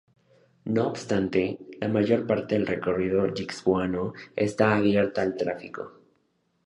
No obstante, la mayor parte del recorrido guipuzcoano está abierta al tráfico.